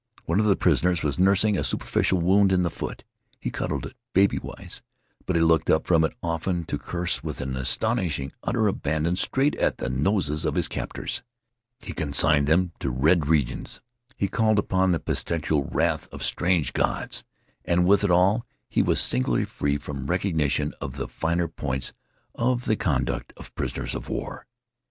One of the prisoners was nursing a superficial wound in the foot. He cuddled it, baby wise, but he looked up from it often to curse with an astonishing utter abandon straight at the noses of his captors. He consigned them to red regions; he called upon the pestilential wrath of strange gods. And with it all he was singularly free from recognition of the finer points of the conduct of prisoners of war.